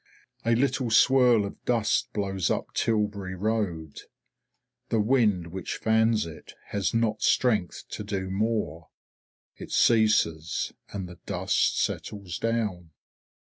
A little swirl of dust blows up Tilbury road, the wind which fans it has not strength to do more; it ceases, and the dust settles down.